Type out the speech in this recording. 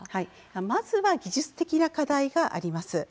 まずは技術的な課題があります。